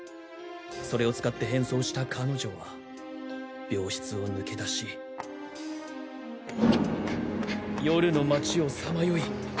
それを使って変装した彼女は病室を抜け出し夜の街をさまよい。